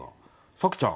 紗季ちゃん